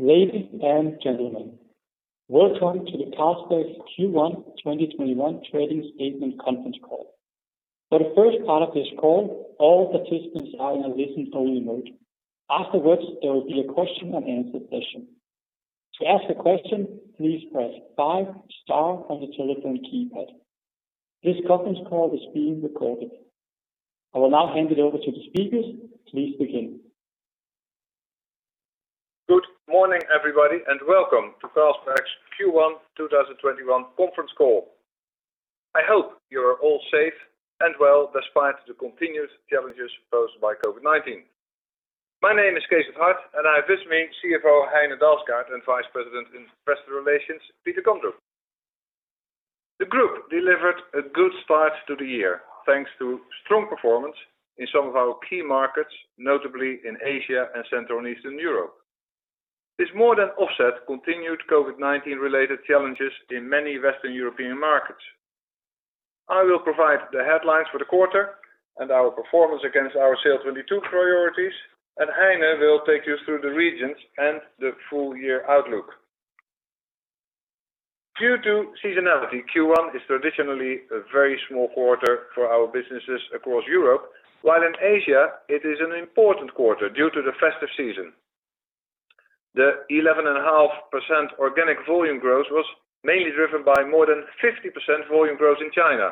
Ladies and gentlemen, welcome to the Carlsberg Q1 2021 Trading Statement Conference Call. For the first part of this call, all participants are in a listen-only mode. Afterwards, there will be a question and answer session. To ask a question, please press five star on the telephone keypad. This conference call is being recorded. I will now hand it over to the speakers. Please begin. Good morning, everybody, welcome to Carlsberg's Q1 2021 conference call. I hope you are all safe and well despite the continued challenges posed by COVID-19. My name is Cees 't Hart, I have with me CFO Heine Dalsgaard and Vice President in Investor Relations, Peter Kondrup. The group delivered a good start to the year, thanks to strong performance in some of our key markets, notably in Asia and Central and Eastern Europe. This more than offset continued COVID-19-related challenges in many Western European markets. I will provide the headlines for the quarter and our performance against our SAIL'22 priorities, Heine will take you through the regions and the full year outlook. Due to seasonality, Q1 is traditionally a very small quarter for our businesses across Europe, while in Asia it is an important quarter due to the festive season. The 11.5% organic volume growth was mainly driven by more than 50% volume growth in China,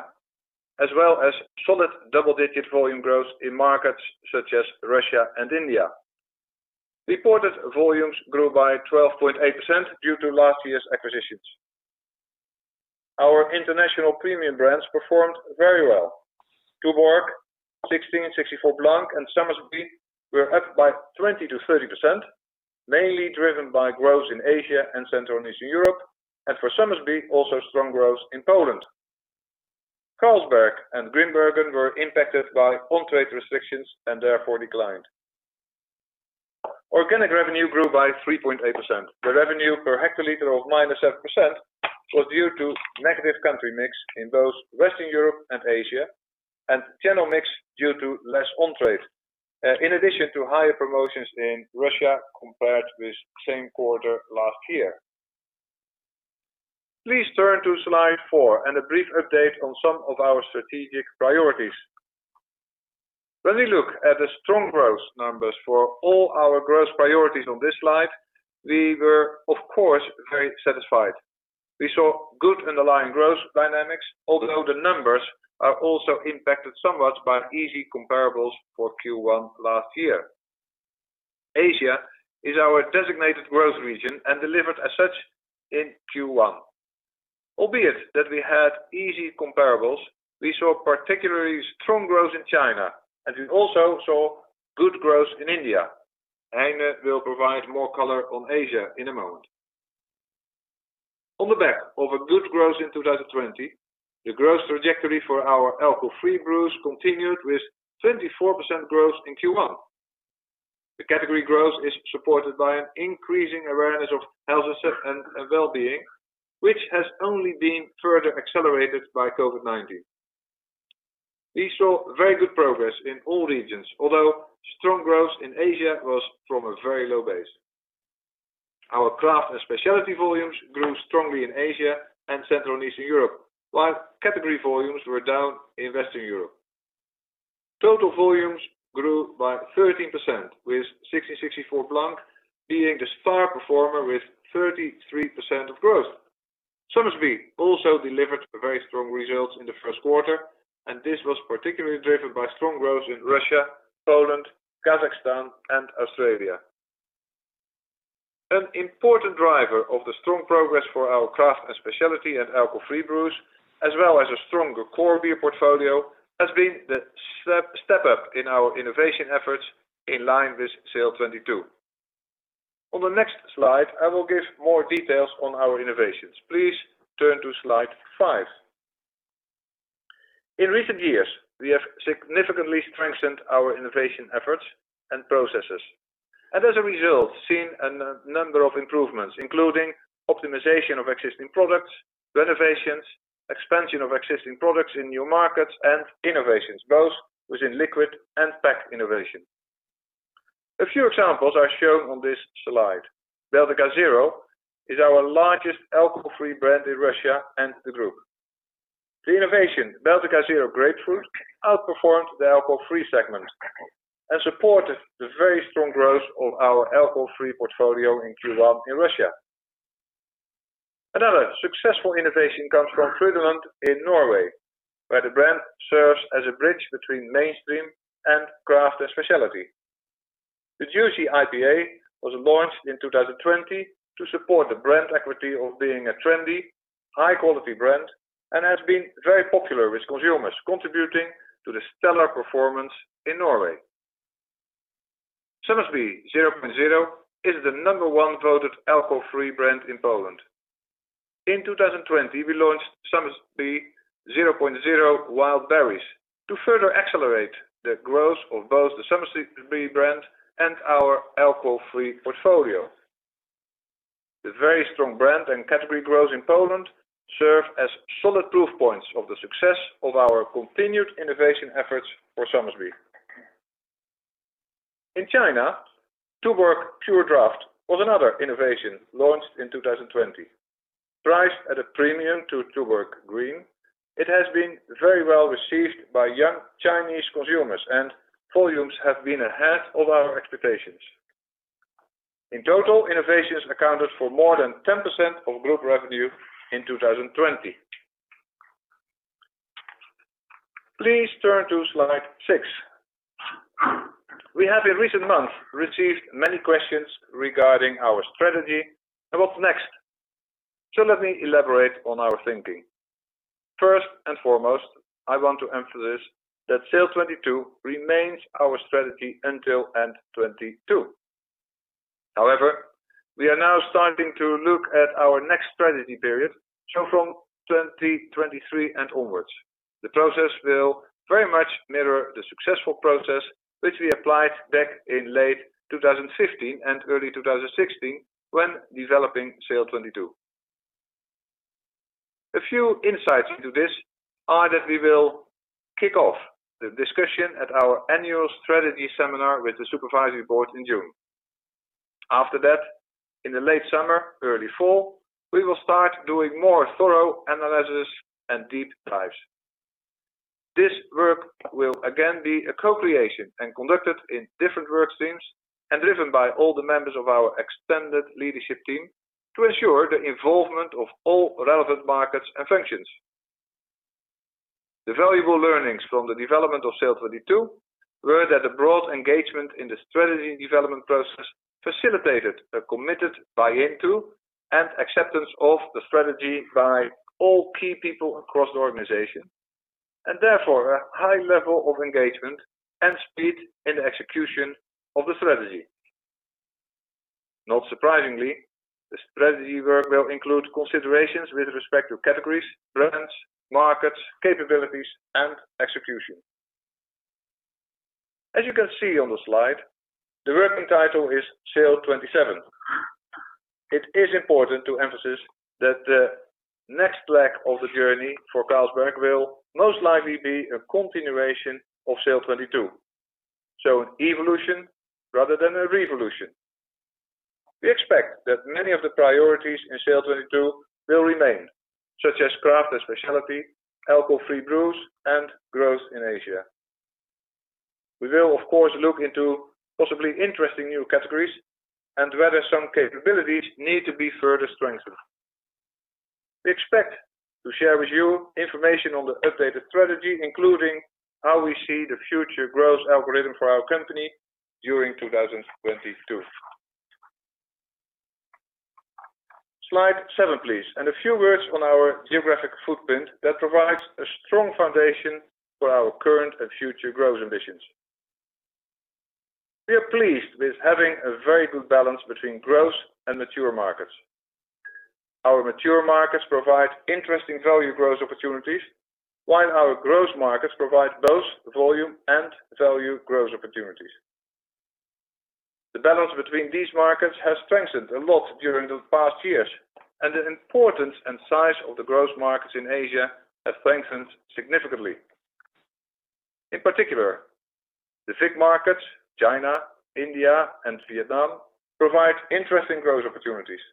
as well as solid double-digit volume growth in markets such as Russia and India. Reported volumes grew by 12.8% due to last year's acquisitions. Our international premium brands performed very well. Tuborg, 1664 Blanc, and Somersby were up by 20%-30%, mainly driven by growth in Asia and Central and Eastern Europe, and for Somersby, also strong growth in Poland. Carlsberg and Grimbergen were impacted by on-trade restrictions and therefore declined. Organic revenue grew by 3.8%. The revenue per hectolitre of -7% was due to negative country mix in both Western Europe and Asia, and channel mix due to less on-trade. In addition to higher promotions in Russia compared with the same quarter last year. Please turn to slide four and a brief update on some of our strategic priorities. When we look at the strong growth numbers for all our growth priorities on this slide, we were of course, very satisfied. We saw good underlying growth dynamics, although the numbers are also impacted somewhat by easy comparables for Q1 last year. Asia is our designated growth region and delivered as such in Q1. Albeit that we had easy comparables, we saw particularly strong growth in China, and we also saw good growth in India. Heine will provide more color on Asia in a moment. On the back of a good growth in 2020, the growth trajectory for our alcohol-free brews continued with 24% growth in Q1. The category growth is supported by an increasing awareness of health and well-being, which has only been further accelerated by COVID-19. We saw very good progress in all regions, although strong growth in Asia was from a very low base. Our craft and specialty volumes grew strongly in Asia and Central and Eastern Europe, while category volumes were down in Western Europe. Total volumes grew by 13%, with 1664 Blanc being the star performer with 33% of growth. Somersby also delivered very strong results in the first quarter. This was particularly driven by strong growth in Russia, Poland, Kazakhstan, and Australia. An important driver of the strong progress for our craft and specialty and alcohol-free brews, as well as a stronger core beer portfolio, has been the step up in our innovation efforts in line with SAIL'22. On the next slide, I will give more details on our innovations. Please turn to slide five. In recent years, we have significantly strengthened our innovation efforts and processes, and as a result, seen a number of improvements, including optimization of existing products, renovations, expansion of existing products in new markets, and innovations, both within liquid and pack innovation. A few examples are shown on this slide. Baltika Zero is our largest alcohol-free brand in Russia and the group. The innovation Baltika Zero Grapefruit outperformed the alcohol-free segment and supported the very strong growth of our alcohol-free portfolio in Q1 in Russia. Another successful innovation comes from Frydenlund in Norway, where the brand serves as a bridge between mainstream and craft and specialty. The Juicy IPA was launched in 2020 to support the brand equity of being a trendy, high-quality brand and has been very popular with consumers, contributing to the stellar performance in Norway. Somersby 0.0 is the number one voted alcohol-free brand in Poland. In 2020, we launched Somersby Wild Berries 0.0 to further accelerate the growth of both the Somersby brand and our alcohol-free portfolio. The very strong brand and category growth in Poland serve as solid proof points of the success of our continued innovation efforts for Somersby. In China, Tuborg Pure Draft was another innovation launched in 2020. Priced at a premium to Tuborg Green, it has been very well received by young Chinese consumers, and volumes have been ahead of our expectations. In total, innovations accounted for more than 10% of group revenue in 2020. Please turn to slide six. We have in recent months received many questions regarding our strategy and what's next. Let me elaborate on our thinking. First and foremost, I want to emphasize that SAIL'22 remains our strategy until end 2022. We are now starting to look at our next strategy period, so from 2023 and onwards. The process will very much mirror the successful process which we applied back in late 2015 and early 2016 when developing SAIL'22. A few insights into this are that we will kick off the discussion at our annual strategy seminar with the supervisory board in June. In the late summer, early fall, we will start doing more thorough analysis and deep dives. This work will again be a co-creation and conducted in different work streams and driven by all the members of our extended leadership team to ensure the involvement of all relevant markets and functions. The valuable learnings from the development of SAIL'22 were that the broad engagement in the strategy development process facilitated a committed buy-in to and acceptance of the strategy by all key people across the organization, and therefore a high level of engagement and speed in the execution of the strategy. Not surprisingly, the strategy work will include considerations with respect to categories, brands, markets, capabilities, and execution. As you can see on the slide, the working title is SAIL'27. It is important to emphasize that the next leg of the journey for Carlsberg will most likely be a continuation of SAIL'22, so an evolution rather than a revolution. We expect that many of the priorities in SAIL'22 will remain, such as craft and specialty, alcohol-free brews, and growth in Asia. We will, of course, look into possibly interesting new categories and whether some capabilities need to be further strengthened. We expect to share with you information on the updated strategy, including how we see the future growth algorithm for our company during 2022. Slide seven, please, and a few words on our geographic footprint that provides a strong foundation for our current and future growth ambitions. We are pleased with having a very good balance between growth and mature markets. Our mature markets provide interesting value growth opportunities, while our growth markets provide both volume and value growth opportunities. The balance between these markets has strengthened a lot during the past years, and the importance and size of the growth markets in Asia have strengthened significantly. In particular, the FIC markets, China, India, and Vietnam, provide interesting growth opportunities.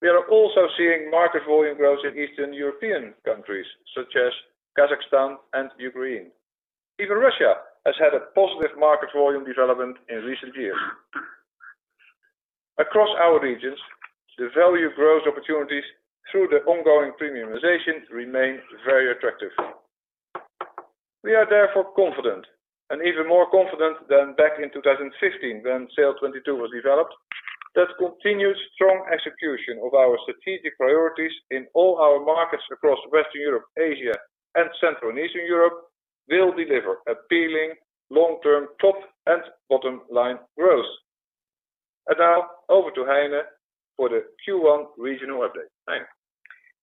We are also seeing market volume growth in Eastern European countries such as Kazakhstan and Ukraine. Even Russia has had a positive market volume development in recent years. Across our regions, the value growth opportunities through the ongoing premiumization remain very attractive. We are therefore confident, and even more confident than back in 2015 when SAIL'22 was developed, that continued strong execution of our strategic priorities in all our markets across Western Europe, Asia, and Central and Eastern Europe will deliver appealing long-term top and bottom line growth. Now over to Heine Dalsgaard for the Q1 regional update. Thank you.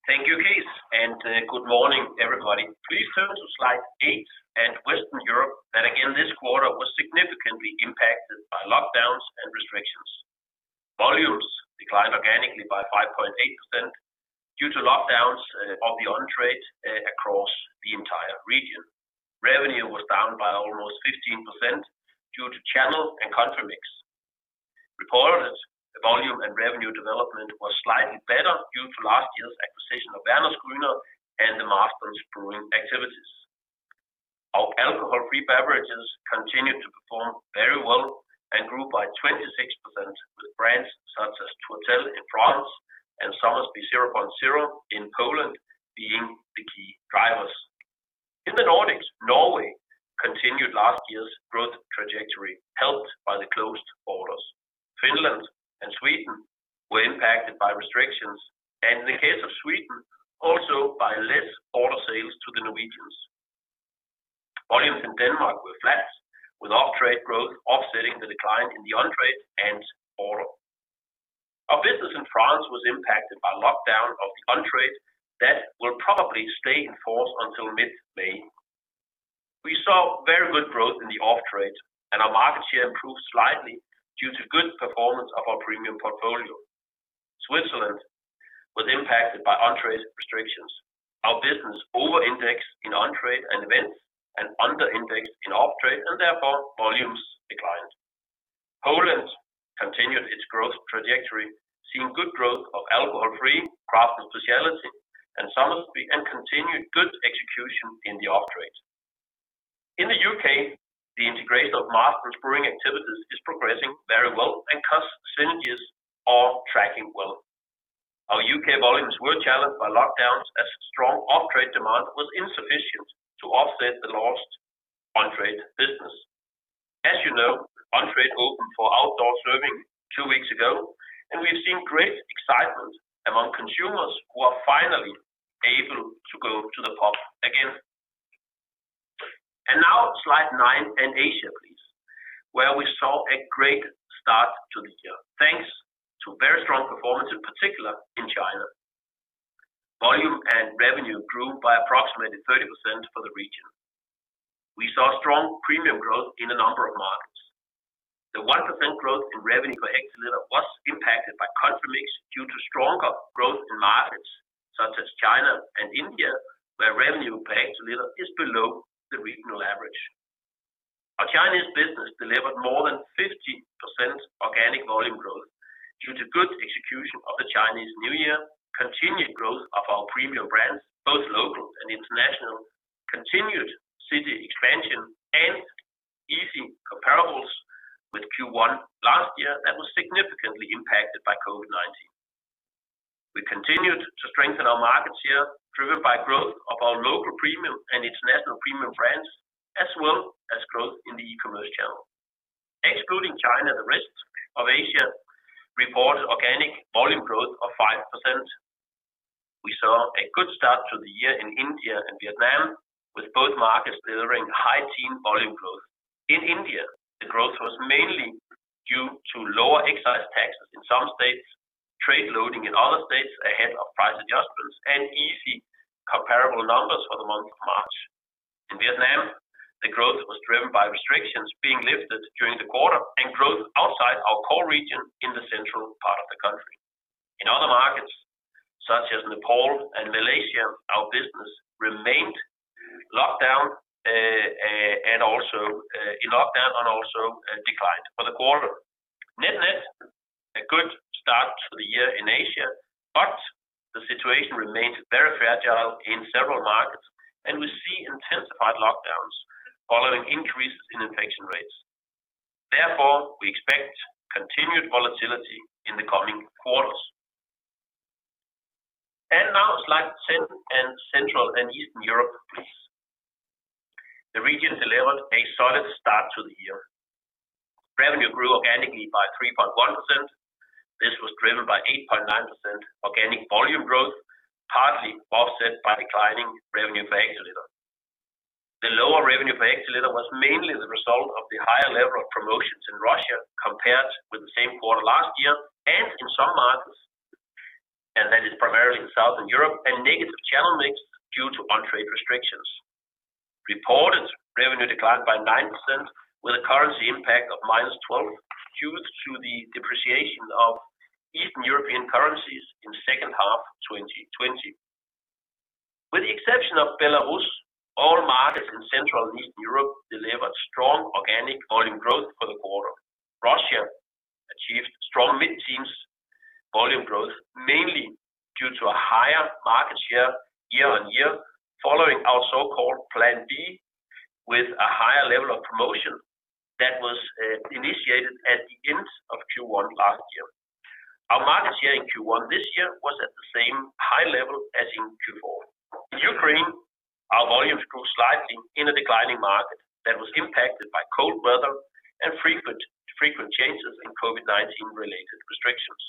Thank you, Cees. Good morning, everybody. Please turn to slide eight. Western Europe that again, this quarter was significantly impacted by lockdowns and restrictions. Volumes declined organically by 5.8% due to lockdowns of the on-trade across the entire region. Revenue was down by almost 15% due to channel and country mix. Reported volume and revenue development was slightly better due to last year's acquisition of Erdinger and the Marston's brewing activities. Our alcohol-free beverages continued to perform very well and grew by 26% with brands such as Tourtel in France and Somersby 0.0 in Poland being the key drivers. In the Nordics, Norway continued last year's growth trajectory helped by the closed borders. Finland and Sweden were impacted by restrictions, and in the case of Sweden, also by less border sales to the Norwegians. Volumes in Denmark were flat, with off-trade growth offsetting the decline in the on-trade and overall. Our business in France was impacted by lockdown of the on-trade that will probably stay in force until mid-May. Very good growth in the off-trade and our market share improved slightly due to good performance of our premium portfolio. Switzerland was impacted by on-trade restrictions. Our business over-indexed in on-trade and events and under-indexed in off-trade, and therefore volumes declined. Poland continued its growth trajectory, seeing good growth of alcohol-free craft and specialty and Somersby, and continued good execution in the off-trade. In the U.K., the integration of Marston's brewing activities is progressing very well and cost synergies are tracking well. Our U.K. volumes were challenged by lockdowns as strong off-trade demand was insufficient to offset the lost on-trade business. As you know, on-trade opened for outdoor serving two weeks ago, and we've seen great excitement among consumers who are finally able to go to the pub again. Now slide nine in Asia, please, where we saw a great start to the year, thanks to very strong performance, in particular in China. Volume and revenue grew by approximately 30% for the region. We saw strong premium growth in a number of markets. The 1% growth in revenue per hectoliter was impacted by country mix due to stronger growth in markets such as China and India, where revenue per hectoliter is below the regional average. Our Chinese business delivered more than 50% organic volume growth due to good execution of the Chinese New Year, continued growth of our premium brands, both local and international, continued city expansion, and easy comparables with Q1 last year that was significantly impacted by COVID-19. We continued to strengthen our market share, driven by growth of our local premium and international premium brands, as well as growth in the e-commerce channel. Excluding China, the rest of Asia reported organic volume growth of 5%. We saw a good start to the year in India and Vietnam, with both markets delivering high teen volume growth. In India, the growth was mainly due to lower excise taxes in some states, trade loading in other states ahead of price adjustments, and easy comparable numbers for the month of March. In Vietnam, the growth was driven by restrictions being lifted during the quarter and growth outside our core region in the central part of the country. In other markets, such as Nepal and Malaysia, our business remained in lockdown and also declined for the quarter. Net-net, a good start to the year in Asia, but the situation remains very fragile in several markets, and we see intensified lockdowns following increases in infection rates. Therefore, we expect continued volatility in the coming quarters. Now slide 10 in Central and Eastern Europe, please. The region delivered a solid start to the year. Revenue grew organically by 3.1%. This was driven by 8.9% organic volume growth, partly offset by declining revenue per hectoliter. The lower revenue per hectoliter was mainly the result of the higher level of promotions in Russia compared with the same quarter last year and in some markets, and that is primarily in Southern Europe, a negative channel mix due to on-trade restrictions. Reported revenue declined by 9% with a currency impact of -12% due to the depreciation of Eastern European currencies in second half 2020. With the exception of Belarus, all markets in Central and Eastern Europe delivered strong organic volume growth for the quarter. Russia achieved strong mid-teens volume growth, mainly due to a higher market share year-on-year following our so-called Plan B with a higher level of promotion that was initiated at the end of Q1 last year. Our market share in Q1 this year was at the same high level as in Q4. In Ukraine, our volumes grew slightly in a declining market that was impacted by cold weather and frequent changes in COVID-19 related restrictions.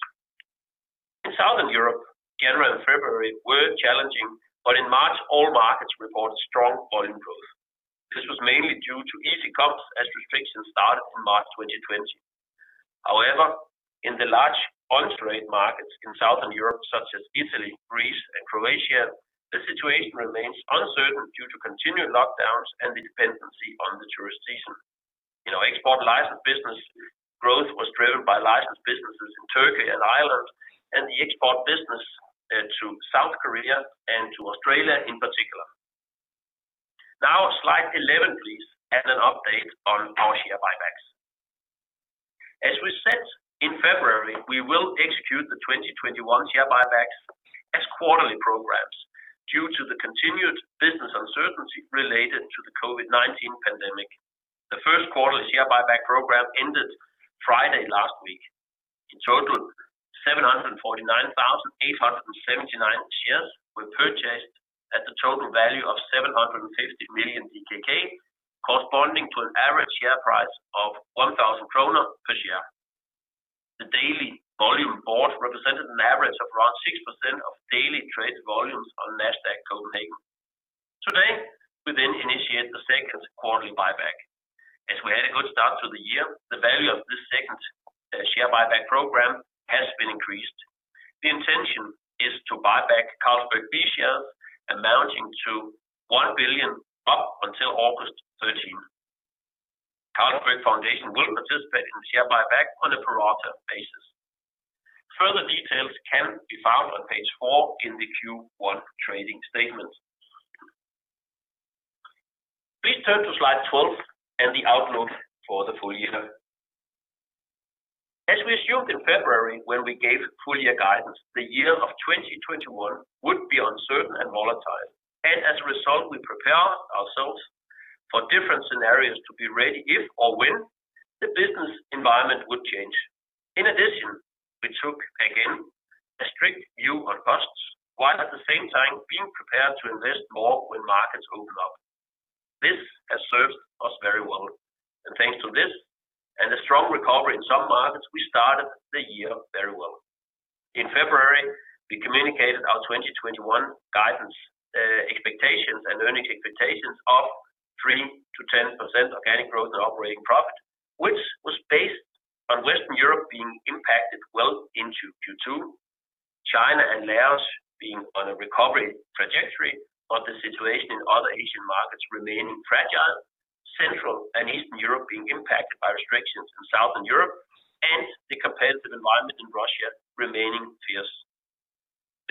In Southern Europe, January and February were challenging, but in March, all markets reported strong volume growth. This was mainly due to easy comps as restrictions started from March 2020. However, in the large on-trade markets in Southern Europe such as Italy, Greece, and Croatia, the situation remains uncertain due to continued lockdowns and the dependency on the tourist season. Export licensed business growth was driven by licensed businesses in Turkey and Ireland and the export business to South Korea and to Australia in particular. Slide 11, please, and an update on our share buybacks. As we said in February, we will execute the 2021 share buybacks as quarterly programs due to the continued business uncertainty related to the COVID-19 pandemic. The first quarter share buyback program ended Friday last week. In total, 749,879 shares were purchased at the total value of 750 million DKK, corresponding to an average share price of 1,000 kroner per share. The daily volume bought represented an average of around 6% of daily trade volumes on Nasdaq Copenhagen. Today, we initiate the second quarterly buyback. As we had a good start to the year, the value of this second share buyback program has been increased. The intention is to buyback competition amounting to 1 billion up until August 13. Carlsberg Foundation will participate in the share buyback on a pro rata basis. Further details can be found on page four in the Q1 trading statement. Please turn to slide 12 and the outlook for the full year. As we assumed in February when we gave full year guidance, the year of 2021 would be uncertain and volatile. As a result, we prepared ourselves for different scenarios to be ready if or when the business environment would change. In addition, we took again a strict view on costs, while at the same time being prepared to invest more when markets open up. This has served us very well, and thanks to this and a strong recovery in some markets, we started the year very well. In February, we communicated our 2021 guidance expectations and earnings expectations of 3% to 10% organic growth and operating profit, which was based on Western Europe being impacted well into Q2, China and Laos being on a recovery trajectory, but the situation in other Asian markets remaining fragile. Central and Eastern Europe being impacted by restrictions in Southern Europe, and the competitive environment in Russia remaining fierce.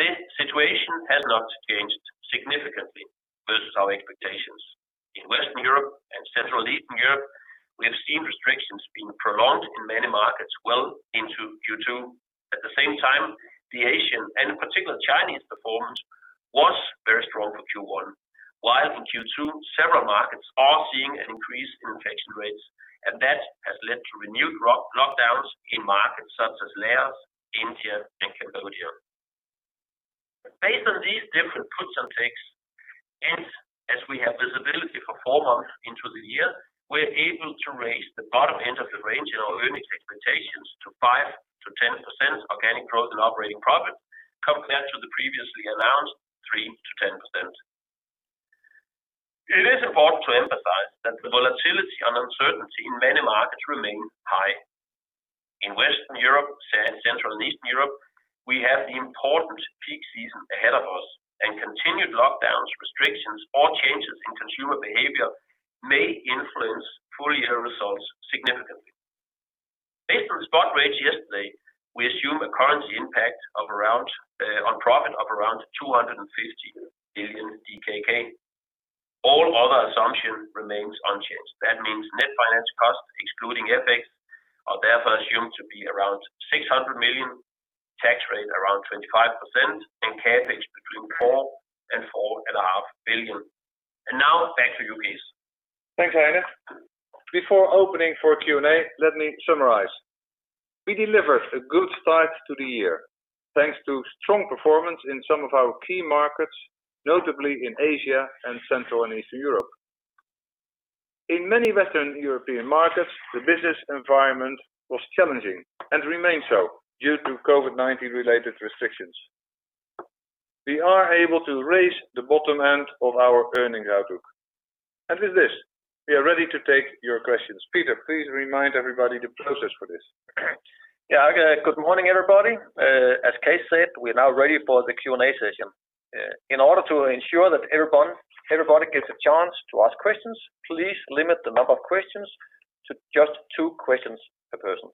This situation has not changed significantly versus our expectations. In Western Europe and Central Eastern Europe, we have seen restrictions being prolonged in many markets well into Q2. At the same time, the Asian, and in particular Chinese performance, was very strong for Q1, while in Q2, several markets are seeing an increase in infection rates, and that has led to renewed lockdowns in markets such as Laos, India, and Cambodia. Based on these different puts and takes, and as we have visibility for four months into the year, we're able to raise the bottom end of the range in our earnings expectations to 5%-10% organic growth and operating profit, compared to the previously announced 3%-10%. It is important to emphasize that the volatility and uncertainty in many markets remain high. In Western Europe and Central and Eastern Europe, we have the important peak season ahead of us, and continued lockdowns, restrictions, or changes in consumer behavior may influence full-year results significantly. Based on the spot rates yesterday, we assume a currency impact on profit of around 250 billion DKK. All other assumption remains unchanged. That means net finance costs, excluding FX, are therefore assumed to be around 600 million, tax rate around 25%, and CapEx between 4 billion and 4.5 billion. Now back to you, Cees. Thanks, Heine. Before opening for Q&A, let me summarize. We delivered a good start to the year, thanks to strong performance in some of our key markets, notably in Asia and Central and Eastern Europe. In many Western European markets, the business environment was challenging and remains so due to COVID-19 related restrictions. We are able to raise the bottom end of our earnings outlook. With this, we are ready to take your questions. Peter, please remind everybody the process for this. Yeah. Good morning, everybody. As Cees said, we are now ready for the Q&A session. In order to ensure that everybody gets a chance to ask questions, please limit the number of questions to just two questions per person.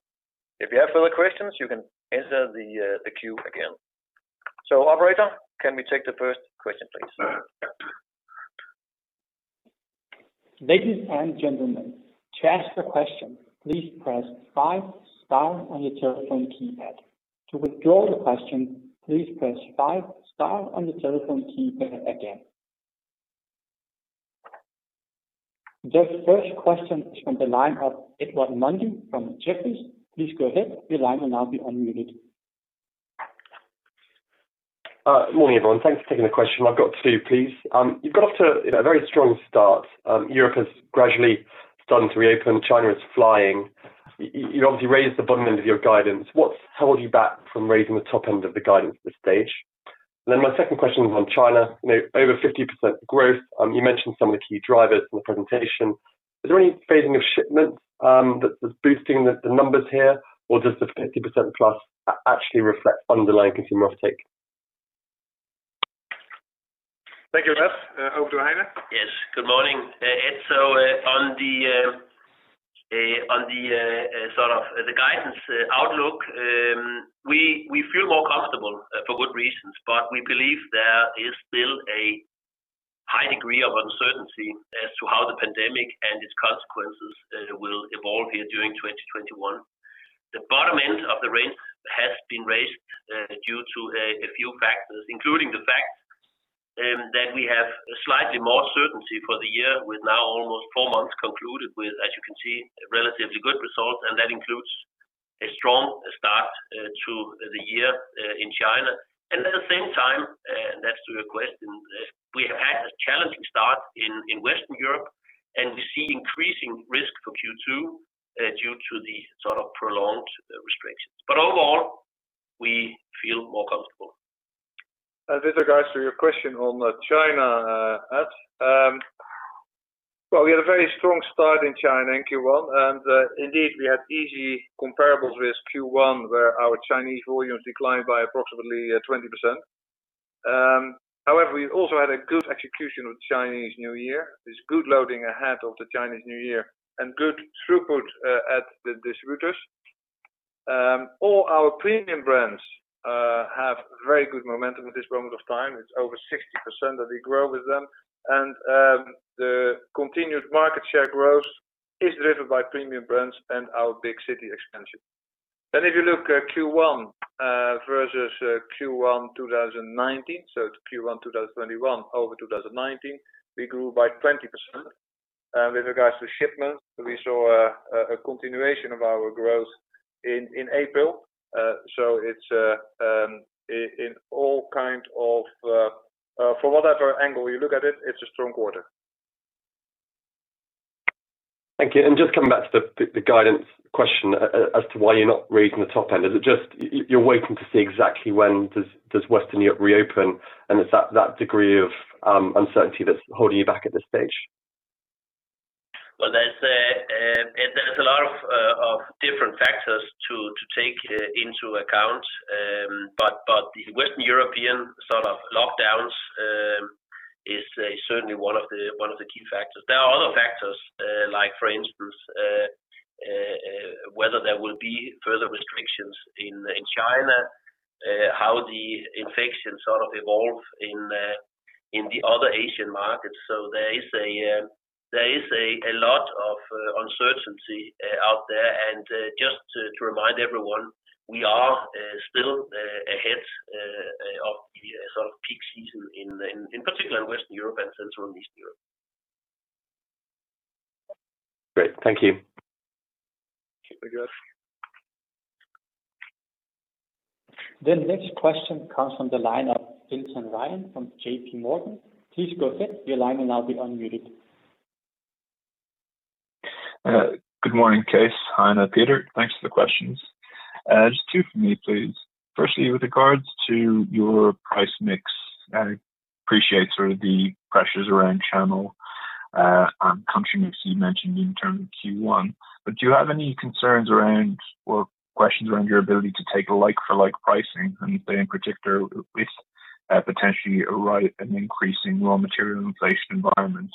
If you have further questions, you can enter the queue again. Operator, can we take the first question, please? The first question is from the line of Edward Mundy from Jefferies. Morning, everyone. Thanks for taking the question. I've got two, please. You've got off to a very strong start. Europe has gradually started to reopen. China is flying. You obviously raised the bottom end of your guidance. What's held you back from raising the top end of the guidance at this stage? My second question is on China. Over 50% growth. You mentioned some of the key drivers in the presentation. Is there any phasing of shipments that is boosting the numbers here, or does the 50% plus actually reflect underlying consumer uptake? Thank you, Ed. Over to Heine. Yes. Good morning, Ed. On the guidance outlook, we feel more comfortable for good reasons, but we believe there is still a high degree of uncertainty as to how the pandemic and its consequences will evolve here during 2021. The bottom end of the range has been raised due to a few factors, including the fact that we have slightly more certainty for the year with now almost four months concluded with, as you can see, relatively good results, and that includes a strong start to the year in China. At the same time, and that's to your question, we have had a challenging start in Western Europe, and we see increasing risk for Q2 due to the prolonged restrictions. Overall, we feel more comfortable. With regards to your question on China, Ed, well, we had a very strong start in China in Q1, and indeed, we had easy comparables with Q1, where our Chinese volumes declined by approximately 20%. We also had a good execution of Chinese New Year. There is good loading ahead of the Chinese New Year and good throughput at the distributors. All our premium brands have very good momentum at this moment of time. It is over 60% that we grow with them, the continued market share growth is driven by premium brands and our big city expansion. If you look at Q1 versus Q1 2019, so it is Q1 2021 over 2019, we grew by 20%. With regards to shipments, we saw a continuation of our growth in April. From whatever angle you look at it is a strong quarter. Thank you. Just coming back to the guidance question as to why you're not raising the top end. Is it just you're waiting to see exactly when does Western Europe reopen, and it's that degree of uncertainty that's holding you back at this stage? Well, there's a lot of different factors to take into account. The Western European lockdowns is certainly one of the key factors. There are other factors, like, for instance, whether there will be further restrictions in China, how the infection evolves in the other Asian markets. There is a lot of uncertainty out there. Just to remind everyone, we are still ahead of the peak season, in particular in Western Europe and Central and Eastern Europe. Great. Thank you. Thank you. The next question comes from the line of Vincent Ryan from JP Morgan. Please go ahead, your line will now be unmuted. Good morning, Cees. Hi, Peter. Thanks for the questions. Just two from me, please. Firstly, with regards to your price mix, I appreciate sort of the pressures around channel and country mix you mentioned in terms of Q1. Do you have any concerns around or questions around your ability to take a like-for-like pricing and say, in particular, with potentially an increasing raw material inflation environment?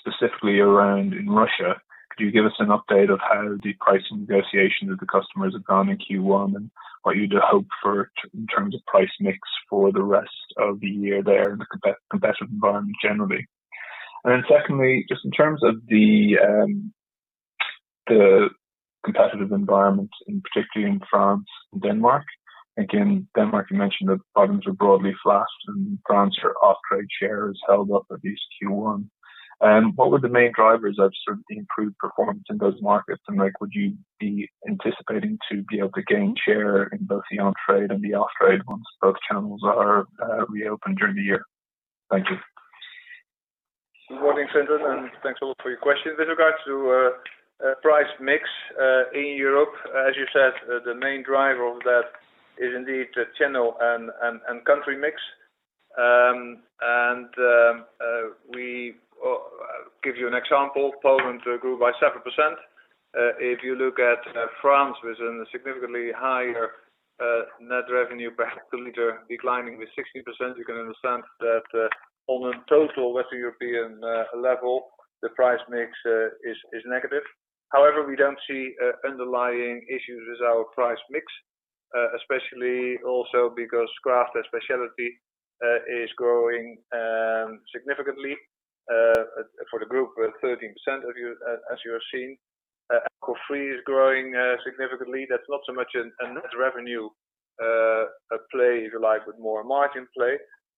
Specifically around in Russia, could you give us an update of how the pricing negotiations with the customers have gone in Q1 and what you'd hope for in terms of price mix for the rest of the year there in the competitive environment generally? Secondly, just in terms of the competitive environment in particularly in France and Denmark. Denmark, you mentioned that volumes were broadly flat and France off-trade share has held up at least Q1. What were the main drivers of the improved performance in those markets, and would you be anticipating to be able to gain share in both the on-trade and the off-trade once both channels are reopened during the year? Thank you. Good morning, Vincent. Thanks a lot for your question. With regards to price mix in Europe, as you said, the main driver of that is indeed channel and country mix. We give you an example, Poland grew by 7%. If you look at France with a significantly higher net revenue per hectoliter declining with 16%, you can understand that on a total Western European level, the price mix is negative. We don't see underlying issues with our price mix, especially also because craft and specialty is growing significantly, for the group, 13%, as you have seen. Alcohol-free is growing significantly. That's not so much a net revenue play, if you like, but more a margin play.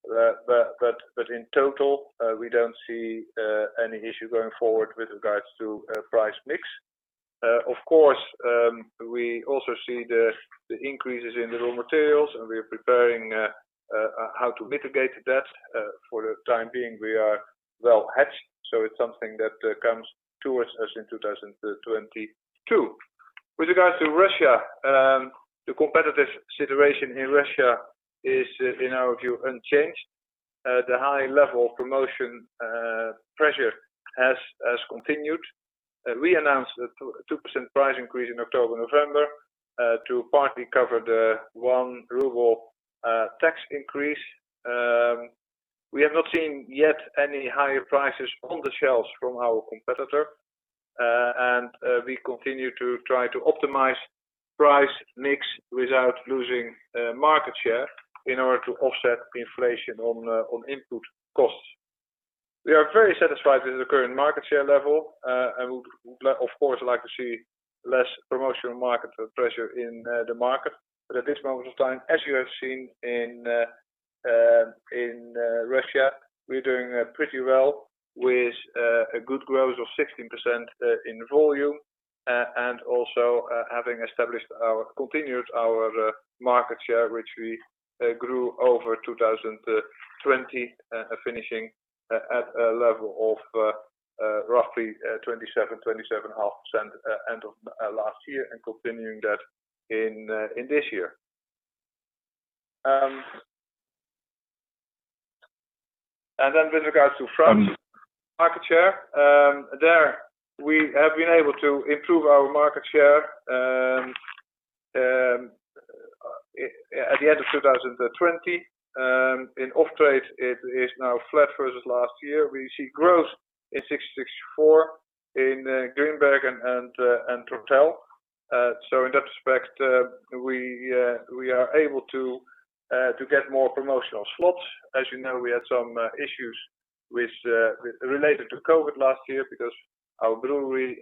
In total, we don't see any issue going forward with regards to price mix. Of course, we also see the increases in the raw materials, and we are preparing how to mitigate that. For the time being, we are well hedged, so it's something that comes towards us in 2022. With regards to Russia, the competitive situation in Russia is, in our view, unchanged. The high level of promotion pressure has continued. We announced a 2% price increase in October, November, to partly cover the one RUB tax increase. We have not seen yet any higher prices on the shelves from our competitor. We continue to try to optimize price mix without losing market share in order to offset inflation on input costs. We are very satisfied with the current market share level, and would of course like to see less promotional market pressure in the market. At this moment of time, as you have seen in Russia, we're doing pretty well with a good growth of 16% in volume, also having continued our market share, which we grew over 2020, finishing at a level of roughly 27.5% end of last year and continuing that in this year. With regards to France market share, there we have been able to improve our market share at the end of 2020. In off-trade, it is now flat versus last year. We see growth in 1664, in Grimbergen and Tourtel. In that respect, we are able to get more promotional slots. As you know, we had some issues related to COVID-19 last year because our brewery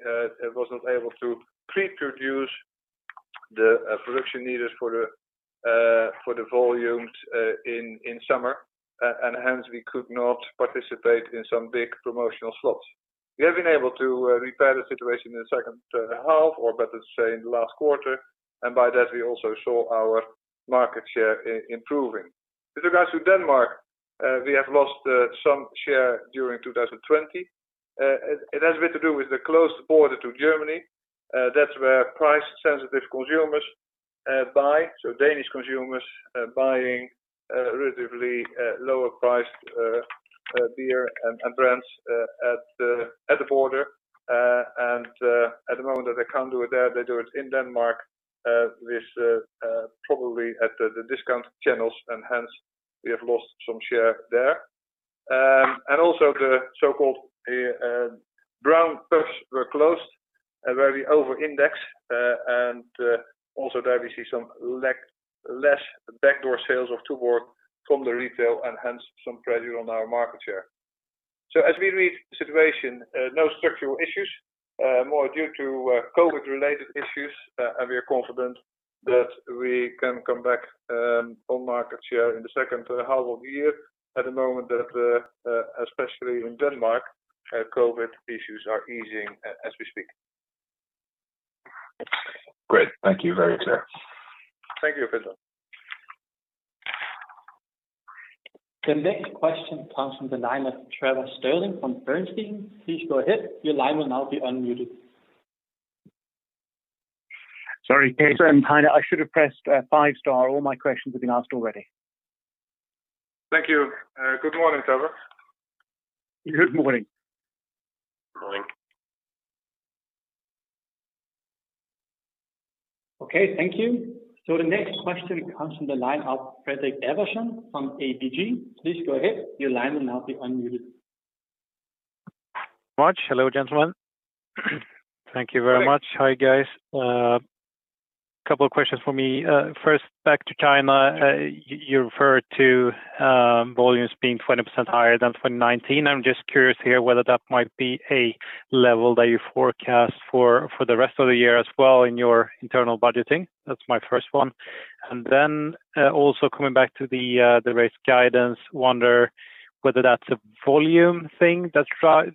wasn't able to pre-produce the production needed for the volumes in summer, and hence, we could not participate in some big promotional slots. We have been able to repair the situation in the second half, or better say, in the last quarter. By that, we also saw our market share improving. With regards to Denmark, we have lost some share during 2020. It has a bit to do with the closed border to Germany. That's where price-sensitive consumers buy. Danish consumers buying relatively lower priced beer and brands at the border. At the moment that they can't do it there, they do it in Denmark, probably at the discount channels. Hence, we have lost some share there. Also the so-called brown pubs were closed where we over-index. Also there we see some less backdoor sales of Tuborg from the retail. Hence some pressure on our market share. As we read the situation, no structural issues, more due to COVID-related issues, and we are confident that we can come back on market share in the second half of the year at the moment, especially in Denmark, COVID issues are easing as we speak. Great. Thank you. Very clear. Thank you, Vincent. The next question comes from the line of Trevor Stirling from Bernstein. Please go ahead. Sorry, Peter and Heine. I should have pressed five star. All my questions have been asked already. Thank you. Good morning, Trevor. Good morning. Okay, thank you. The next question comes from the line of Frederick Everson from ABG. Please go ahead. Hello, gentlemen. Thank you very much. Hi. Hi, guys. A couple of questions for me. First, back to China. You referred to volumes being 20% higher than 2019. I'm just curious here whether that might be a level that you forecast for the rest of the year as well in your internal budgeting. That's my first one. I wonder whether that's a volume thing that's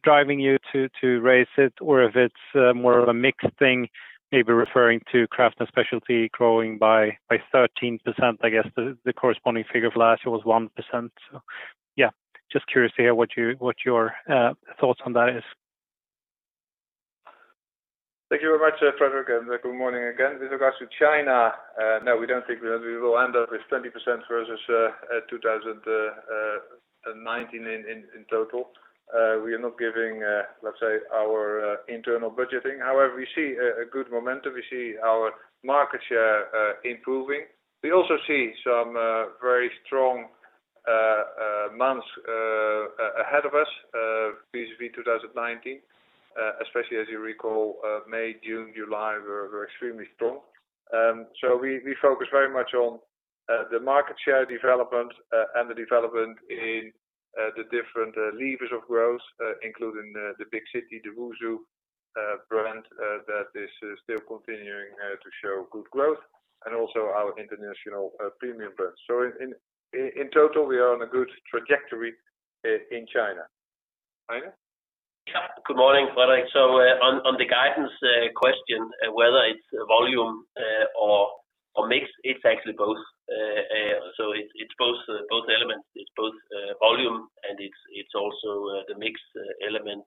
driving you to raise it or if it's more of a mixed thing, maybe referring to craft and specialty growing by 13%, I guess, the corresponding figure of last year was 1%. Just curious to hear what your thoughts on that is. Thank you very much, Frederick, and good morning again. With regards to China, no, we don't think we will end up with 20% versus 2019 in total. We are not giving, let's say, our internal budgeting. We see a good momentum. We see our market share improving. We also see some very strong months ahead of us vis-a-vis 2019, especially as you recall, May, June, July, were extremely strong. We focus very much on the market share development and the development in the different levers of growth, including the Big City, the WuSu brand that is still continuing to show good growth and also our international premium brands. In total, we are on a good trajectory in China. Heine? Good morning, Frederick. On the guidance question, whether it's volume or mix, it's actually both. It's both elements. It's both volume and it's also the mix element.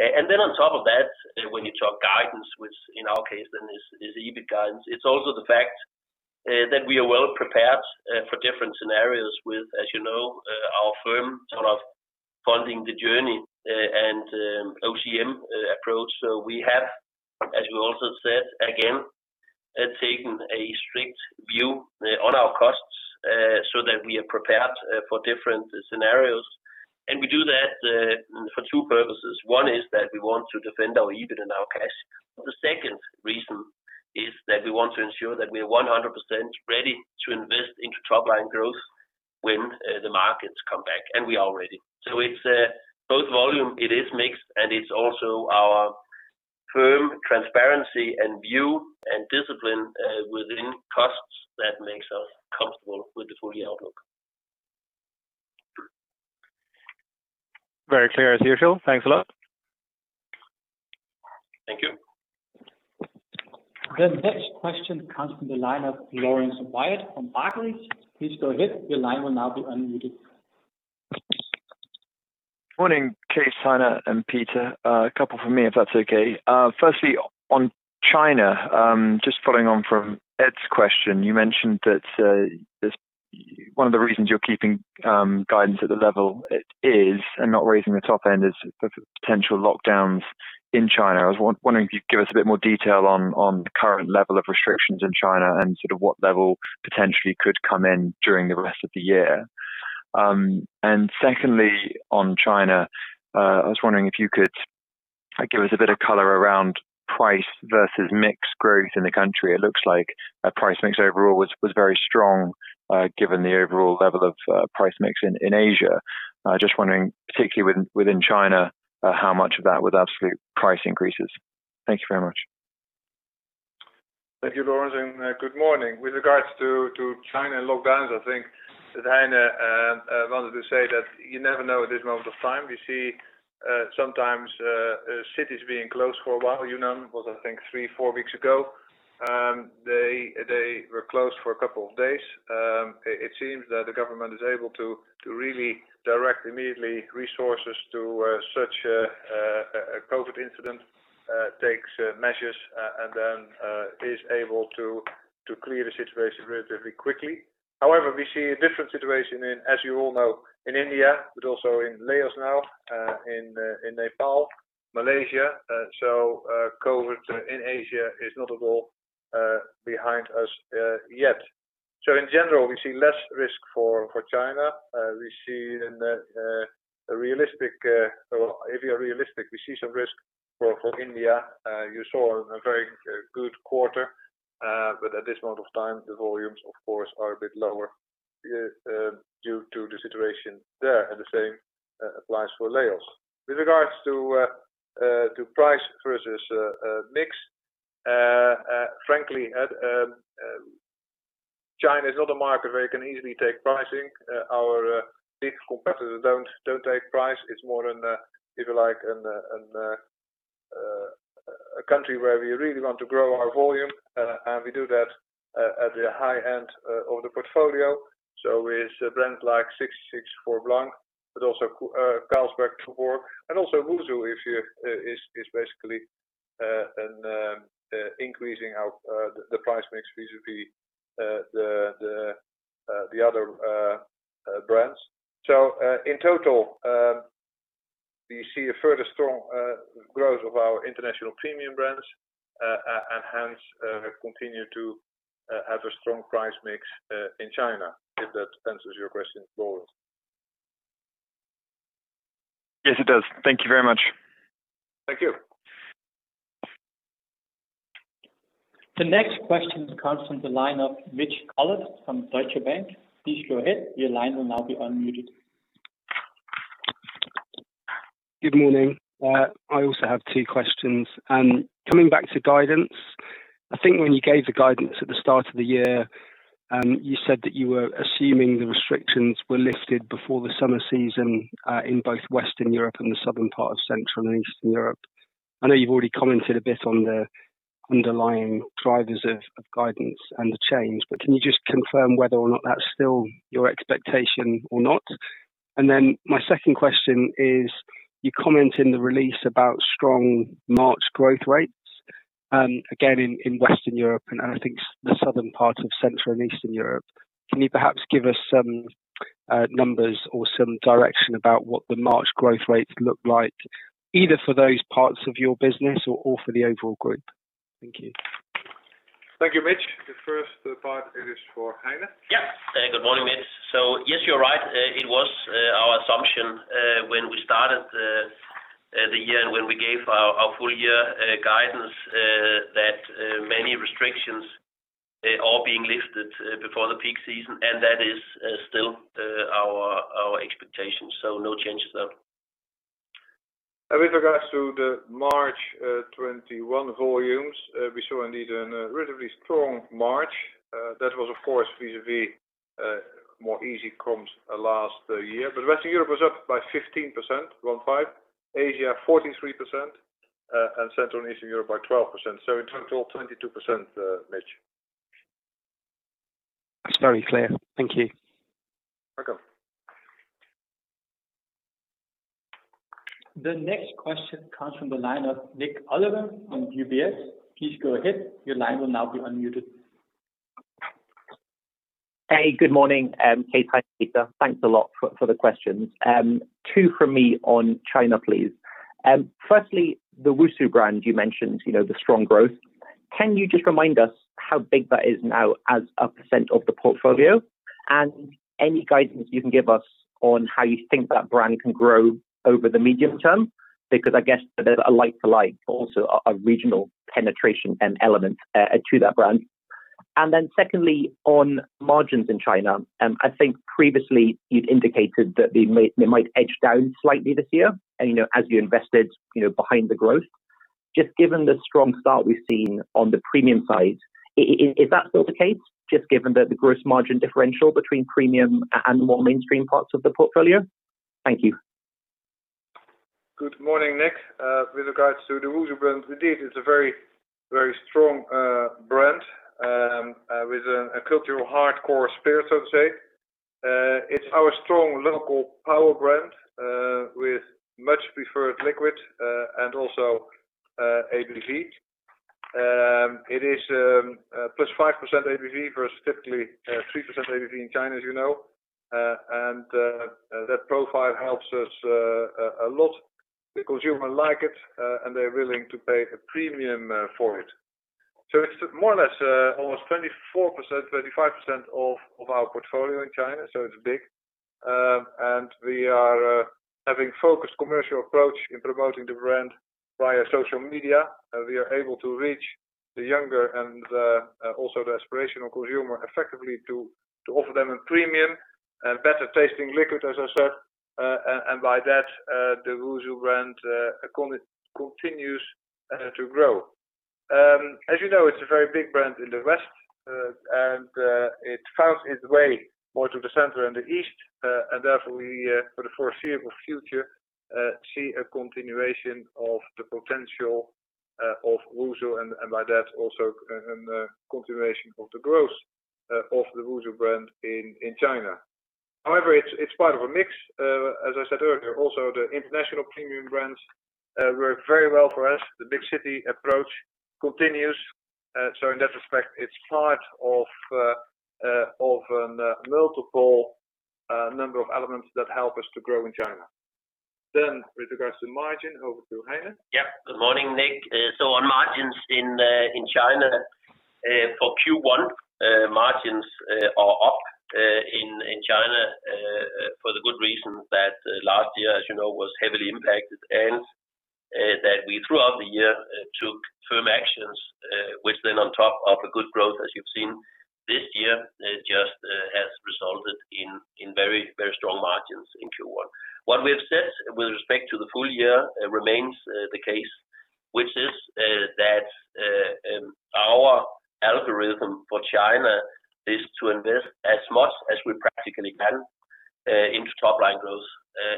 On top of that, when you talk guidance, which in our case then is EBIT guidance, it's also the fact that we are well prepared for different scenarios with, as you know, our firm sort of funding the journey and OCM approach. We have, as we also said, again, taken a strict view on our costs so that we are prepared for different scenarios. We do that for two purposes. One is that we want to defend our EBIT and our cash. The second reason is that we want to ensure that we are 100% ready to invest into top line growth when the markets come back, and we are ready. It's both volume, it is mixed, and it's also our firm transparency and view and discipline within costs that makes us comfortable with the full year outlook. Very clear as usual. Thanks a lot. Thank you. The next question comes from the line of Laurence Whyatt from Barclays. Please go ahead. Morning, Cees, Heine and Peter. A couple from me, if that's okay. Firstly, on China, just following on from Ed's question, you mentioned that one of the reasons you're keeping guidance at the level it is and not raising the top end is the potential lockdowns in China. I was wondering if you'd give us a bit more detail on the current level of restrictions in China and sort of what level potentially could come in during the rest of the year. Secondly, on China, I was wondering if you could give us a bit of color around price versus mix growth in the country. It looks like price mix overall was very strong, given the overall level of price mix in Asia. Just wondering, particularly within China, how much of that was absolute price increases. Thank you very much. Thank you, Laurence. Good morning. With regards to China lockdowns, I think that Heine wanted to say that you never know at this moment of time. We see sometimes cities being closed for a while. Yunnan was, I think, three, four weeks ago. They were closed for a couple of days. It seems that the government is able to really direct immediately resources to such a COVID incident, takes measures, and then is able to clear the situation relatively quickly. However, we see a different situation in, as you all know, in India, but also in Laos now, in Nepal, Malaysia. COVID in Asia is not at all behind us yet. In general, we see less risk for China. If you are realistic, we see some risk for India. You saw a very good quarter. At this moment of time, the volumes, of course, are a bit lower due to the situation there. The same applies for Laos. With regards to price versus mix, frankly, China is not a market where you can easily take pricing. Our big competitors don't take price. It's more, if you like, a country where we really want to grow our volume, and we do that at the high end of the portfolio. With brands like 1664 Blanc, but also Carlsberg 0.0, and also WuSu is basically increasing the price mix vis-a-vis the other brands. In total, we see a further strong growth of our international premium brands and hence continue to have a strong price mix in China, if that answers your question, Laurence. Yes, it does. Thank you very much. Thank you. The next question comes from the line of Mitch Collett from Deutsche Bank. Please go ahead. Your line will now be unmuted. Good morning. I also have two questions. Coming back to guidance, I think when you gave the guidance at the start of the year, you said that you were assuming the restrictions were lifted before the summer season in both Western Europe and the southern part of Central and Eastern Europe. I know you've already commented a bit on the underlying drivers of guidance and the change, but can you just confirm whether or not that's still your expectation or not? My second question is, you comment in the release about strong March growth rates, again, in Western Europe and I think the southern part of Central and Eastern Europe. Can you perhaps give us some numbers or some direction about what the March growth rates look like, either for those parts of your business or for the overall group? Thank you. Thank you, Mitch. The first part is for Heine. Good morning, Mitch. Yes, you're right. It was our assumption when we started the year and when we gave our full year guidance that many restrictions are being lifted before the peak season, and that is still our expectation. No changes there. With regards to the March 2021 volumes, we saw indeed a relatively strong March. That was, of course, vis-a-vis more easy comps last year. Western Europe was up by 15%, Asia 43%, and Central and Eastern Europe by 12%. In total, 22%, Mitch. Very clear. Thank you. Welcome. The next question comes from the line of Nik Oliver from UBS. Please go ahead. Your line will now be unmuted. Hey, good morning, Cees, Heine, Peter. Thanks a lot for the questions. Two from me on China, please. Firstly, the Wusu brand, you mentioned the strong growth. Can you just remind us how big that is now as a % of the portfolio? Any guidance you can give us on how you think that brand can grow over the medium term? I guess there's a like to like, also a regional penetration element to that brand. Secondly, on margins in China, I think previously you'd indicated that they might edge down slightly this year as you invested behind the growth. Just given the strong start we've seen on the premium side, is that still the case, just given the gross margin differential between premium and more mainstream parts of the portfolio? Thank you. Good morning, Nik. With regards to the WuSu brand, indeed, it's a very strong brand with a cultural hardcore spirit, so to say. It's our strong local power brand with much preferred liquid and also ABV. It is +5% ABV versus typically 3% ABV in China, as you know. That profile helps us a lot. The consumer like it, and they're willing to pay a premium for it. It's more or less almost 24%-35% of our portfolio in China, so it's big. We are having focused commercial approach in promoting the brand via social media. We are able to reach the younger and also the aspirational consumer effectively to offer them a premium and better-tasting liquid, as I said. By that, the WuSu brand continues to grow. As you know, it's a very big brand in the West, and it found its way more to the center and the East, and therefore we, for the foreseeable future, see a continuation of the potential of WuSu, and by that, also a continuation of the growth of the WuSu brand in China. However, it's part of a mix. As I said earlier, also, the international premium brands work very well for us. The big city approach continues. In that respect, it's part of a multiple number of elements that help us to grow in China. With regards to margin, over to Heine. Good morning, Nik. On margins in China for Q1, margins are up in China for the good reasons that last year, you know, was heavily impacted, that we, throughout the year, took firm actions, which on top of a good growth as you've seen this year, just has resulted in very strong margins in Q1. What we have said with respect to the full year remains the case, which is that our algorithm for China is to invest as much as we practically can into top line growth.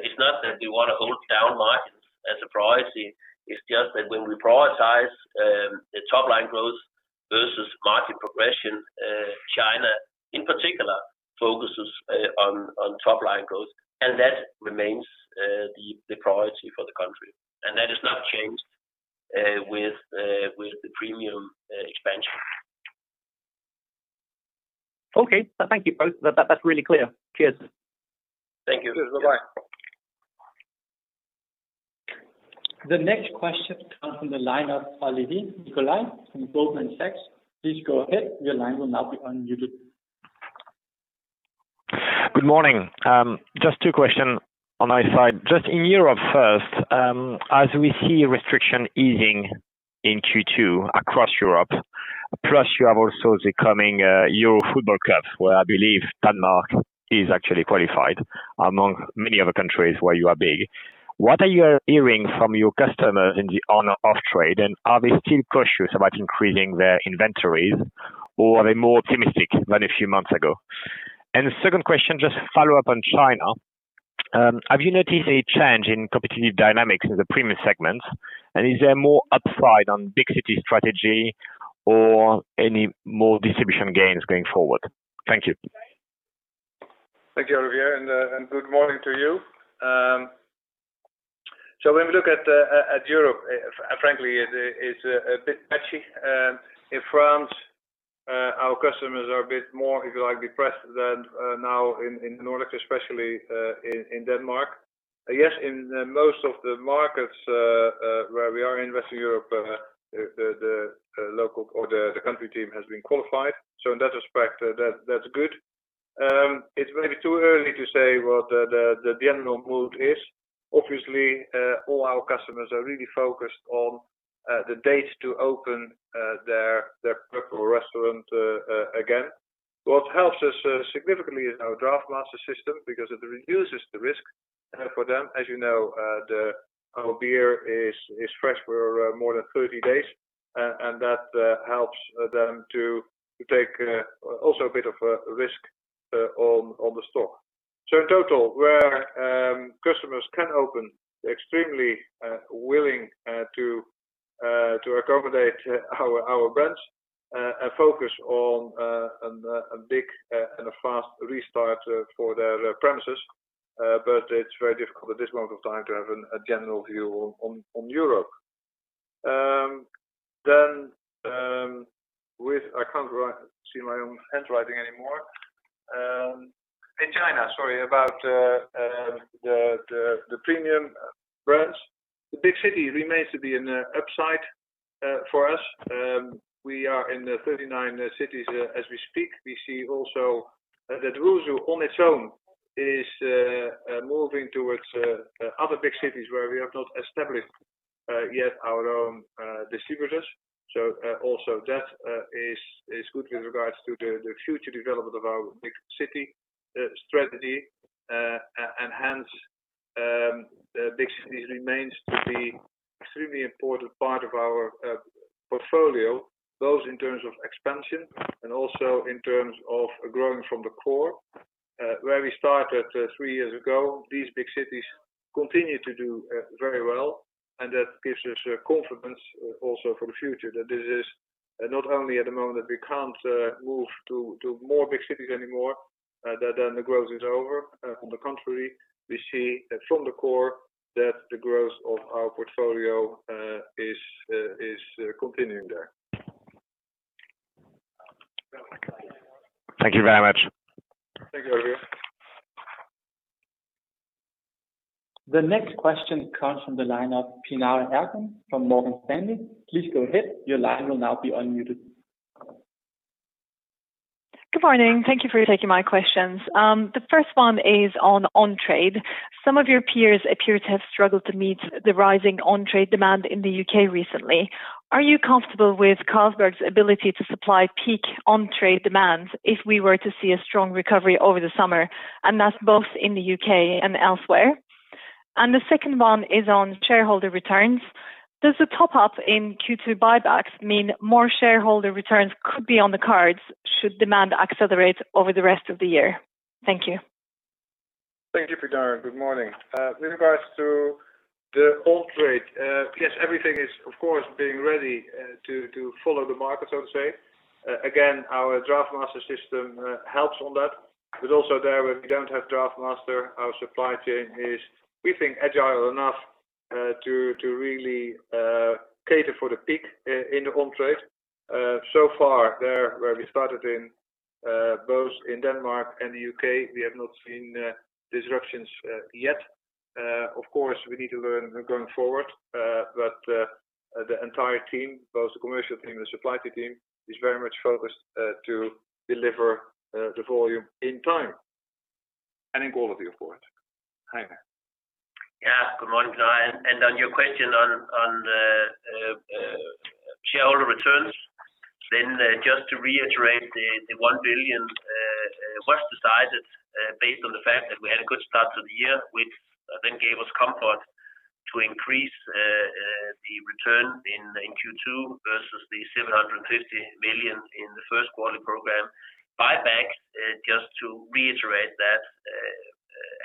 It's not that we want to hold down margins as a priority, it's just that when we prioritize the top line growth versus margin progression, China, in particular, focuses on top line growth, that remains the priority for the country. That has not changed with the premium expansion. Okay. Thank you both. That's really clear. Cheers. Thank you. Cheers. Bye-bye. The next question comes from the line of Olivier Nicolaï from Goldman Sachs. Please go ahead. Good morning. Just two question on our side. Just in Europe first, as we see restriction easing in Q2 across Europe, plus you have also the coming UEFA Euro 2020, where I believe Denmark is actually qualified among many other countries where you are big. What are you hearing from your customers in the on/off trade, and are they still cautious about increasing their inventories, or are they more optimistic than a few months ago? The second question, just follow up on China. Have you noticed a change in competitive dynamics in the premium segment? Is there more upside on big city strategy or any more distribution gains going forward? Thank you. Thank you, Olivier, good morning to you. When we look at Europe, frankly, it's a bit patchy. In France, our customers are a bit more, if you like, depressed than now in Nordic, especially in Denmark. Yes, in most of the markets where we are in Western Europe, the local or the country team has been qualified, so in that respect, that's good. It's maybe too early to say what the general mood is. Obviously, all our customers are really focused on the date to open their local restaurant again. What helps us significantly is our DraughtMaster system because it reduces the risk for them. As you know, our beer is fresh for more than 30 days, and that helps them to take also a bit of a risk on the stock. In total, where customers can open, they're extremely willing to accommodate our brands and focus on a big and a fast restart for their premises. It's very difficult at this moment of time to have a general view on Europe. With I can't see my own handwriting anymore. In China, sorry, about the premium brands. The big city remains to be an upside for us. We are in 39 cities as we speak. We see also that WuSu on its own is moving towards other big cities where we have not established yet our own distributors. Also that is good with regards to the future development of our big city strategy. Hence, big cities remains to be extremely important part of our portfolio, both in terms of expansion and also in terms of growing from the core. Where we started three years ago, these big cities continue to do very well, and that gives us confidence also for the future that this is not only at the moment we can't move to more big cities anymore, that then the growth is over. On the contrary, we see that from the core that the growth of our portfolio is continuing there. Thank you very much. Thank you. The next question comes from the line of Pinar Alp from Morgan Stanley. Please go ahead. Good morning. Thank you for taking my questions. The first one is on on-trade. Some of your peers appear to have struggled to meet the rising on-trade demand in the U.K. recently. Are you comfortable with Carlsberg's ability to supply peak on-trade demands if we were to see a strong recovery over the summer, and that's both in the U.K. and elsewhere? The second one is on shareholder returns. Does the top up in Q2 buybacks mean more shareholder returns could be on the cards should demand accelerate over the rest of the year? Thank you. Thank you, Pinar. Good morning. With regards to the on-trade, yes, everything is, of course, being ready to follow the market, so to say. Again, our DraughtMaster system helps on that. Also there, where we don't have DraughtMaster, our supply chain is, we think, agile enough to really cater for the peak in the on-trade. So far, there, where we started in both in Denmark and the U.K., we have not seen disruptions yet. Of course, we need to learn going forward. The entire team, both the commercial team and the supply team, is very much focused to deliver the volume in time and in quality, of course. Heine. Good morning. On your question on the shareholder returns, just to reiterate, the 1 billion was decided based on the fact that we had a good start to the year, which gave us comfort to increase the return in Q2 versus the 750 million in the first quarter program. Buybacks, just to reiterate that,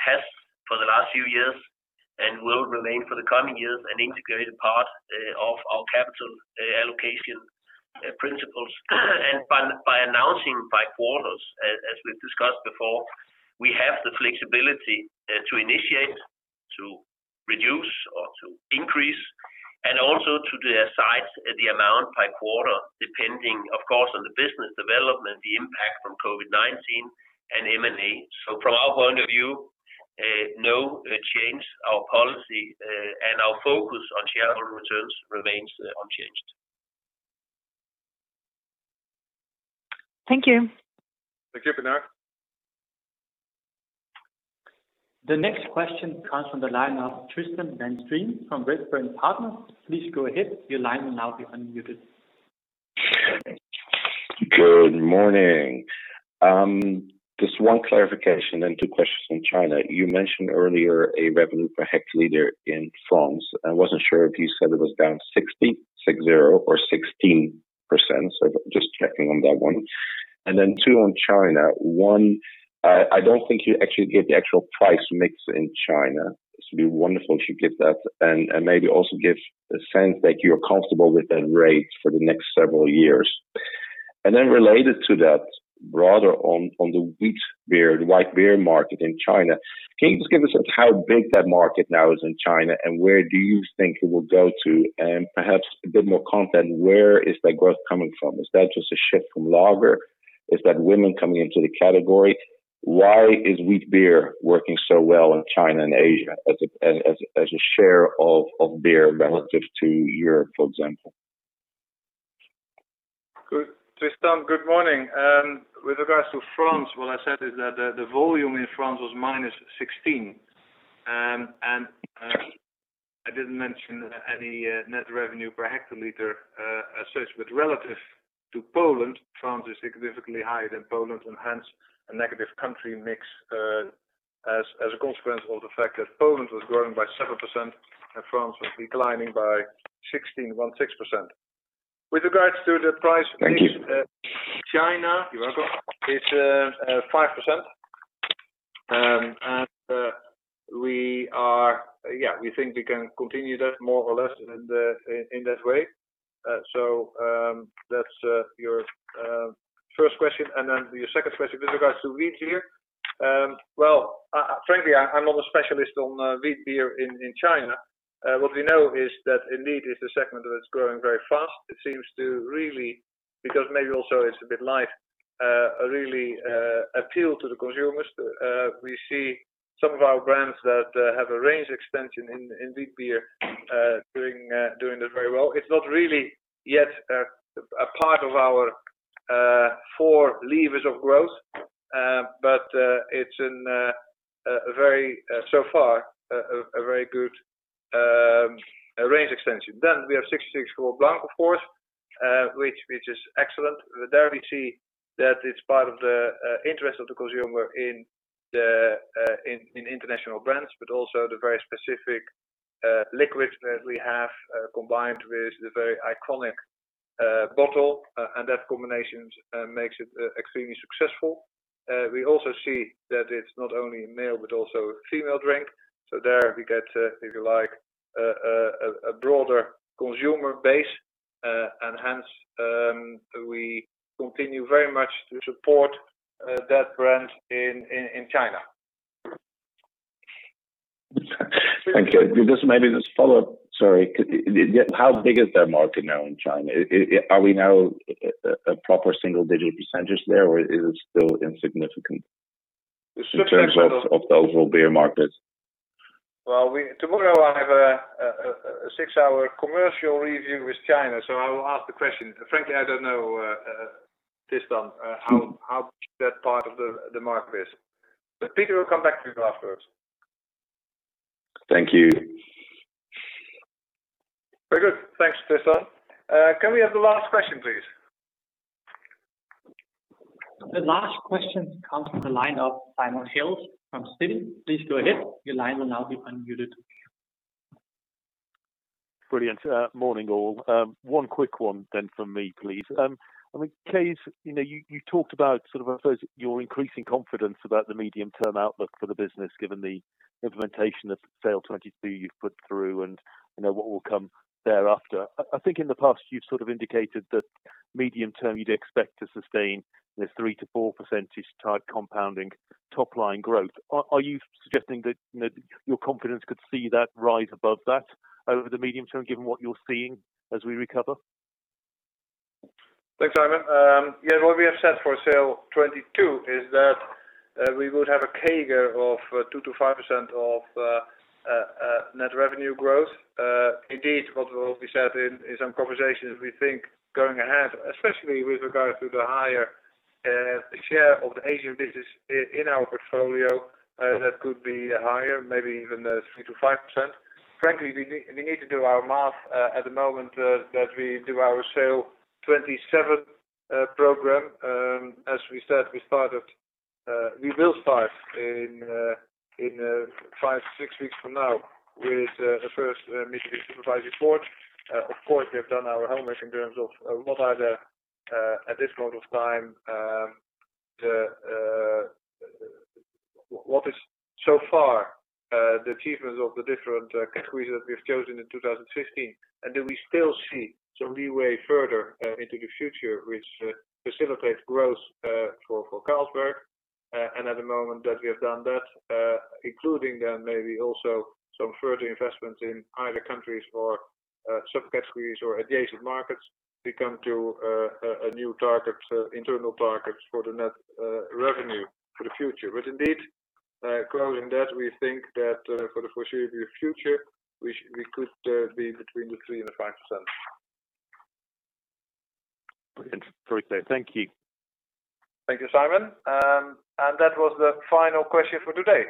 has for the last few years and will remain for the coming years an integrated part of our capital allocation principles. By announcing by quarters, as we've discussed before, we have the flexibility to initiate, to reduce or to increase, and also to decide the amount by quarter, depending, of course, on the business development, the impact from COVID-19 and M&A. From our point of view, no change. Our policy and our focus on shareholder returns remains unchanged. Thank you. Thank you, Pinar. The next question comes from the line of Tristan van Strien from Redburn Partners. Please go ahead. Your line will now be unmuted. Good morning. Just one clarification and two questions on China. You mentioned earlier a revenue per hectoliter in France. I wasn't sure if you said it was down 60 or 16%. Just checking on that one. Two on China. One, I don't think you actually gave the actual price mix in China. This would be wonderful if you give that. Maybe also give a sense that you're comfortable with that rate for the next several years. Related to that, broader on the wheat beer, the white beer market in China, can you just give us a how big that market now is in China, and where do you think it will go to? Perhaps a bit more content, where is that growth coming from? Is that just a shift from lager? Is that women coming into the category? Why is wheat beer working so well in China and Asia as a share of beer relative to Europe, for example? Tristan, good morning. With regards to France, what I said is that the volume in France was -16. I didn't mention any net revenue per hectoliter associated with relative to Poland. France is significantly higher than Poland, and hence a negative country mix, as a consequence of the fact that Poland was growing by 7% and France was declining by 16.16%. Thank you. China- You're welcome is 5%. We think we can continue that more or less in that way. That's your first question. Your second question with regards to wheat beer. Well, frankly, I'm not a specialist on wheat beer in China. What we know is that indeed it's a segment that's growing very fast. It seems to really, because maybe also it's a bit light, really appeal to the consumers. We see some of our brands that have a range extension in wheat beer doing very well. It's not really yet a part of our four levers of growth, but it's so far a very good range extension. We have 1664 Blanc, of course, which is excellent. There we see that it's part of the interest of the consumer in international brands, but also the very specific liquids that we have, combined with the very iconic bottle. That combination makes it extremely successful. We also see that it's not only a male but also a female drink. There we get, if you like, a broader consumer base. Hence, we continue very much to support that brand in China. Thank you. Just maybe this follow-up. Sorry. How big is that market now in China? Are we now a proper single-digit % there, or is it still insignificant? It's still- in terms of the overall beer market? Well, tomorrow I have a six-hour commercial review with China, so I will ask the question. Frankly, I don't know, Tristan, how big that part of the market is. Peter will come back to you afterwards. Thank you. Very good. Thanks, Tristan. Can we have the last question, please? The last question comes from the line of Simon Hales from Citi. Please go ahead. Your line will now be unmuted. Brilliant. Morning, all. One quick one then from me, please. I mean, Cees, you talked about sort of, I suppose, your increasing confidence about the medium-term outlook for the business, given the implementation of SAIL'22 you've put through and what will come thereafter. I think in the past you've sort of indicated that medium-term you'd expect to sustain this 3%-4%-ish type compounding top-line growth. Are you suggesting that your confidence could see that rise above that over the medium term, given what you're seeing as we recover? Thanks, Simon. What we have set for SAIL'22 is that we would have a CAGR of 2%-5% of net revenue growth. What will be said in some conversations we think going ahead, especially with regard to the higher share of the Asian business in our portfolio, that could be higher, maybe even 3%-5%. Frankly, we need to do our math at the moment that we do our SAIL'27 program. As we said, we will start in 5-6 weeks from now with the first management supervised report. Of course, we have done our homework in terms of what are the, at this point of time, what is so far the achievements of the different categories that we've chosen in 2015. Do we still see some leeway further into the future which facilitates growth for Carlsberg? At the moment that we have done that, including then maybe also some further investments in either countries or sub-categories or adjacent markets, we come to a new internal targets for the net revenue for the future. Indeed, closing that, we think that for the foreseeable future, we could be between the 3% and the 5%. Brilliant. Very clear. Thank you. Thank you, Simon. That was the final question for today.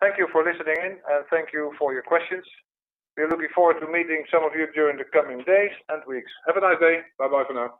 Thank you for listening in, and thank you for your questions. We are looking forward to meeting some of you during the coming days and weeks. Have a nice day. Bye-bye for now.